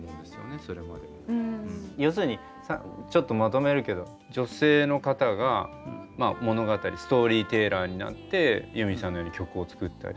要するにちょっとまとめるけど女性の方が物語ストーリーテラーになってユーミンさんのように曲を作ったり。